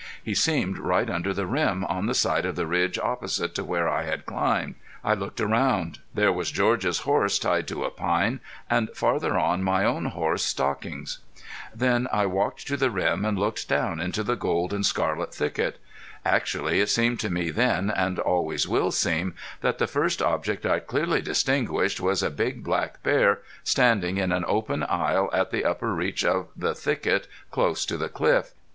He seemed right under the rim on the side of the ridge opposite to where I had climbed. I looked around. There was George's horse tied to a pine, and farther on my own horse Stockings. Then I walked to the rim and looked down into the gold and scarlet thicket. Actually it seemed to me then, and always will seem, that the first object I clearly distinguished was a big black bear standing in an open aisle at the upper reach of the thicket close to the cliff.